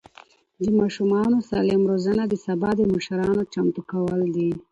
د ماشومانو سالم روزنه د سبا د مشرانو چمتو کول دي.